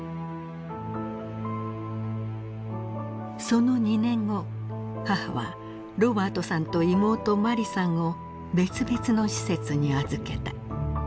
その２年後母はロバァトさんと妹マリさんを別々の施設に預けた。